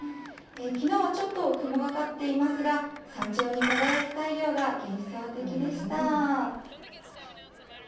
きのうはちょっと雲がかっていますが、山頂に輝く太陽が幻想的でした。